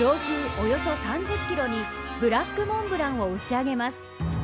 およそ３０ｋｍにブラックモンブランを打ち上げます。